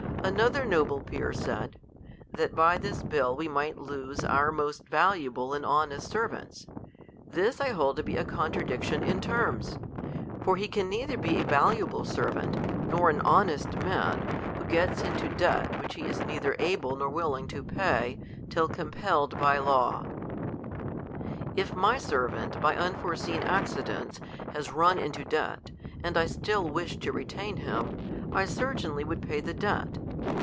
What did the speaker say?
Another noble peer said, that by this bill we might lose our most valuable and honest servants. This 1 hold to be a contradiction in terms : for he can neither be a valuable servant, nor an honest man, who gets into debt which he is neither able nor willing to pay, till compelled by law. If my servant, by unforeseen accidents, has run into debt, and I still wish to retain him, I certainly would pay the debt.